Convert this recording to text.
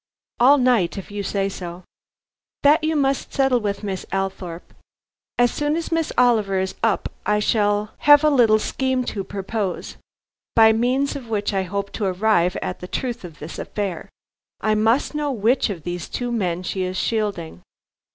"All night, if you say so." "That you must settle with Miss Althorpe. As soon as Miss Oliver is up I shall have a little scheme to propose, by means of which I hope to arrive at the truth of this affair. I must know which of these two men she is shielding."